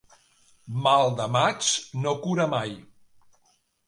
Mal de maig no cura mai.